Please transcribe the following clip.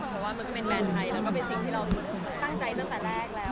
เพราะว่ามันก็เป็นแบรนด์ไทยแล้วก็เป็นสิ่งที่เราตั้งใจตั้งแต่แรกแล้ว